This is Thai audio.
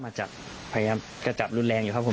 ก็มาจับพยายามจะจับรุนแรงไว้ครับผม